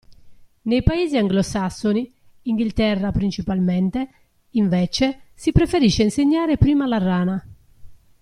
Nei Paesi anglosassoni (Inghilterra, principalmente), invece, si preferisce insegnare prima la rana.